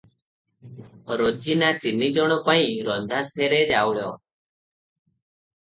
ରୋଜିନା ତିନି ଜଣ ପାଇଁ ରନ୍ଧା ସେରେ ଚାଉଳ ।